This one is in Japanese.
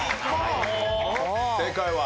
正解は？